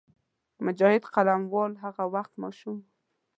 مجاهد قلموال هغه وخت ماشوم وو.